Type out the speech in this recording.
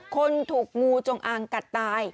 คนถูกงูจงอางกัดตาย